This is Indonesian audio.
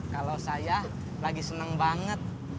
kalau saya lagi senang banget